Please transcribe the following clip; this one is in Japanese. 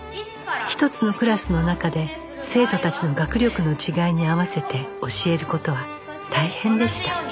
一つのクラスの中で生徒たちの学力の違いに合わせて教える事は大変でした